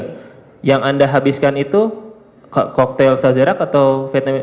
tidak ingat juga yang anda habiskan itu koktel sazerac atau vietnames